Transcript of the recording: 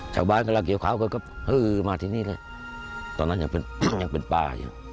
ชาวบ้านเมื่อเราเกี่ยวเขาก็เพิ่มมาที่นี่เลยตอนนั้นยังเป็นปลา